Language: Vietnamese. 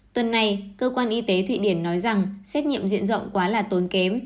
tuần này cơ quan y tế thụy điển nói rằng xét nghiệm diện rộng quá là tốn kém